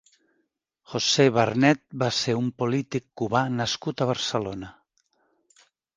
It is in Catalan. José Barnet va ser un polític cubà nascut a Barcelona.